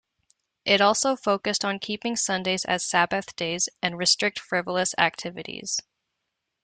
It also focused on keeping Sundays as Sabbath days and restrict frivolous activities.